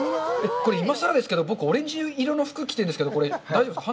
これ、今さらですけど、僕、オレンジ色の服着てるんですけど、大丈夫ですか？